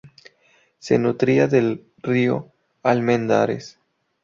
Se nutría del río Almendares.